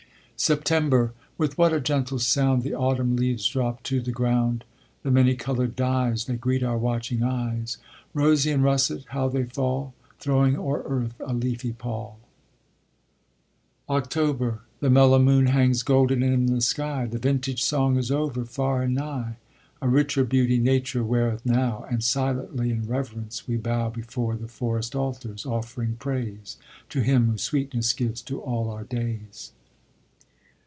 SEPTEMBER With what a gentle sound The autumn leaves drop to the ground; The many colored dyes, They greet our watching eyes. Rosy and russet, how they fall! Throwing o'er earth a leafy pall. OCTOBER The mellow moon hangs golden in the sky, The vintage song is over, far and nigh A richer beauty Nature weareth now, And silently, in reverence we bow Before the forest altars, off'ring praise To Him who sweetness gives to all our days.